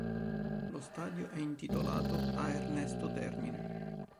Lo stadio è intitolato a Ernesto Termine.